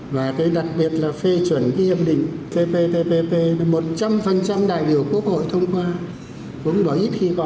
và cái đặc biệt là phê chuẩn cái hiệp định cptpp một trăm linh đại biểu quốc hội thông qua cũng bỏ ít khi có